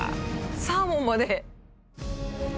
サーモンまで！